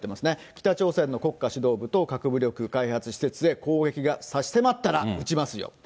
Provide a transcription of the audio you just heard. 北朝鮮の国家指導部と核武力開発施設へ攻撃が差し迫ったら撃ちますよと。